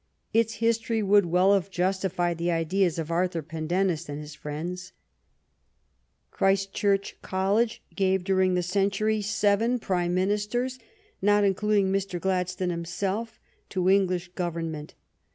Its history would well have justified the ideas of Arthur Pendennis and his friends. Christchurch College gave dur ing the century seven Prime Ministers, not includ ing Mr. Gladstone himself, to English government.